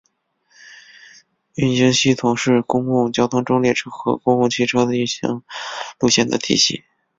运行系统是公共交通中列车和公共汽车的运行路线的体系。